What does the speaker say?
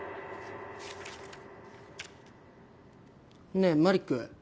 ねえマリック。